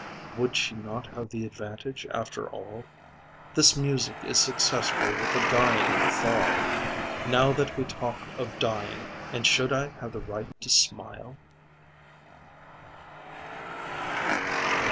Would she not have the advantage, after all? This music is successful with a "dying fall" Now that we talk of dying And should I have the right to smile?